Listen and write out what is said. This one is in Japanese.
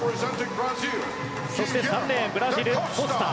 そして、３レーンブラジル、コスタ。